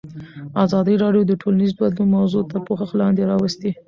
ازادي راډیو د ټولنیز بدلون موضوع تر پوښښ لاندې راوستې.